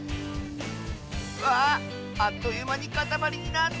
わああっというまにかたまりになった！